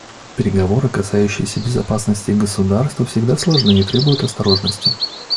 Переговоры, касающиеся безопасности государства, всегда сложны и требуют осторожности.